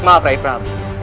maaf rai prabu